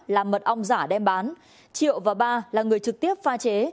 làm mật ong giả đem bán triệu và ba là người trực tiếp pha chế